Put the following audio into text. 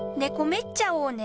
めっちゃおうね。